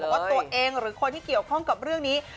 ว่าตัวเองหรือคนที่เกี่ยวข้องกับเรื่องนี้